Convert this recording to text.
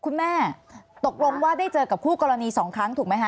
คุณแม่ตกลงว่าได้เจอกับคู่กรณีสองครั้งถูกไหมคะ